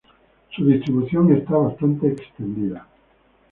Su distribución está bastante extendida.